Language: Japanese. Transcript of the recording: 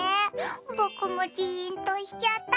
僕もジーンとしちゃった。